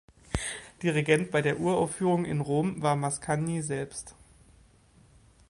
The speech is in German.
Dirigent bei der Uraufführung in Rom war Mascagni selbst.